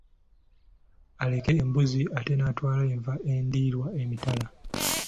Aleka embuzi ate n'atwala enva endiirwa emitala.